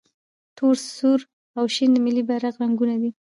تور، سور او شین د ملي بیرغ رنګونه دي.